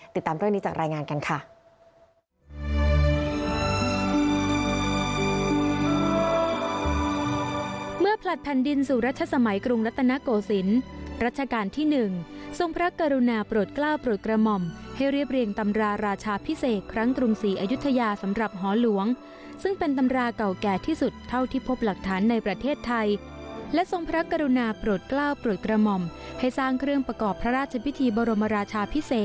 ติดตามเรื่องนี้จากรายงานกันค่ะ